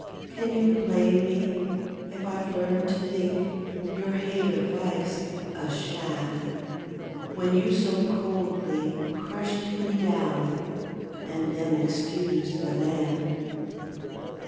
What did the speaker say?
Can you blame me if I've learned to think Your hate of vice a sham, When you so coldly crushed me down And then excused the man?